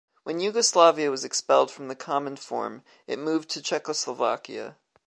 When Yugoslavia was expelled from the Cominform, it moved to Czechoslovakia.